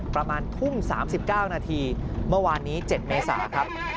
ประมาณทุ่ม๓๙นาทีเมื่อวานนี้๗เมษาครับ